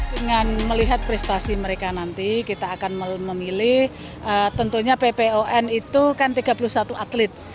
dengan melihat prestasi mereka nanti kita akan memilih tentunya ppon itu kan tiga puluh satu atlet